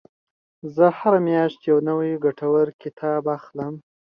زه هره میاشت یو نوی ګټور کتاب اخلم.